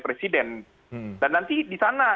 presiden dan nanti di sana